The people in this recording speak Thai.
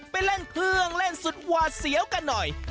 ไปเล่นเครื่องเล่นสุดหวาดเสียวกันหน่อย